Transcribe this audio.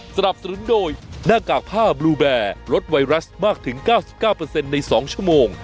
สนับสนุนโดยหน้ากากผ้าบลูแบร์ลดไวรัสมากถึงเก้าสิบเก้าเปอร์เซ็นต์ในสองชั่วโมง